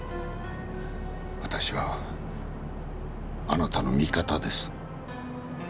私はあなたの味方です。